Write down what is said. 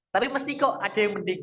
tapi mesti kok ada yang mending